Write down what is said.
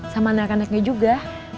sama anak anaknya juga